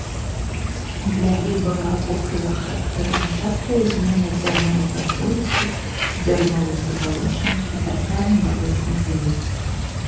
Для глебавага покрыва характэрна частая змена дзярнова-падзолістых, дзярновых забалочаных і тарфяна-балотных глеб.